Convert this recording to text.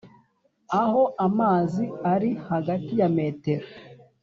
, aho amazi ari hagati ya metero